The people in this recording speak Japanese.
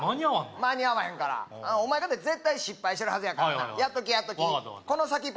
間に合わへんからお前かて絶対失敗してるはずやからなやっときやっときこの先っぽ